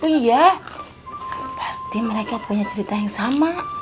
iya pasti mereka punya cerita yang sama